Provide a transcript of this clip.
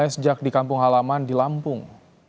sejak di kampung halaman di lampung